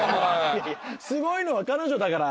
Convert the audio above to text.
いやいやすごいのは彼女だから。